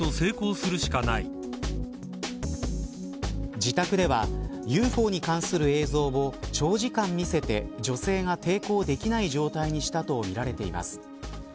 自宅ではＵＦＯに関する映像を長時間、見せて女性が抵抗できない状態にしたとみられています。